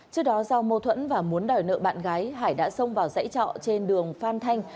trước đó do mâu thuẫn và muốn đòi nợ bạn gái hải đã xông vào dãy trọ trên đường phan thanh